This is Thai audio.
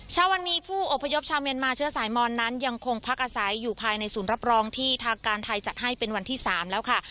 เช้าวันนี้ผู้อพยพชาวเมียนมาเชื้อสายมอนนั้นยังคงพักอาศัยอยู่ภายในศูนย์รับรองที่ทางการไทยจัดให้เป็นวันที่๓แล้วค่ะ